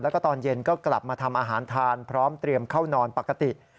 แล้วก็ตอนเย็นก็กลับมาทำอาหารทานพร้อมเตรียมเข้านอนปกติ